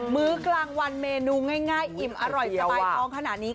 มื้อกลางวันเมนูง่ายอิ่มอร่อยสบายท้องขนาดนี้